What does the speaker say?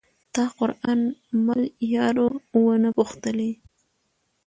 تا قران مل یارو ونه پوښتلئ